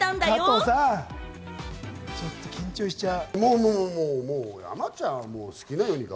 加藤さん、ちょっと緊張しちゃう。